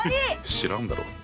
知らんだろ。